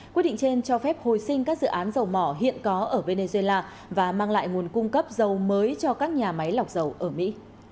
quyết định trên cho phép hồi sinh các dự án dầu mỏ hiện có ở venezuela và mang lại nguồn cung cấp dầu mới cho các nhà máy lọc dầu ở mỹ